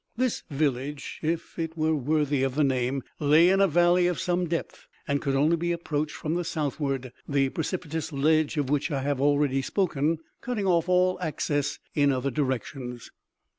This village, if it were worthy of the name, lay in a valley of some depth, and could only be approached from the southward, the precipitous ledge of which I have already spoken cutting off all access in other directions.